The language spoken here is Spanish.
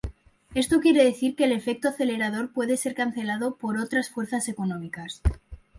Esto quiere decir que el efecto acelerador puede ser cancelado por otras fuerzas económicas.